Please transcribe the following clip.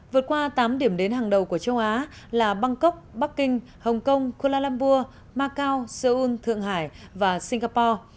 vượt qua tám điểm đến hàng đầu của châu á là bangkok bắc kinh hồng kông kualamburg macau seoul thượng hải và singapore